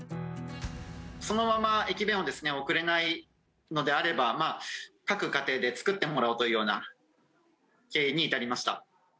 そのまま駅弁をですね、送れないのであれば、各家庭で作ってもらおうというような経緯に至りました。